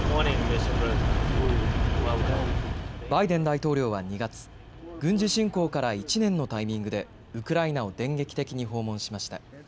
バイデン大統領は２月、軍事侵攻から１年のタイミングでウクライナを電撃的に訪問しました。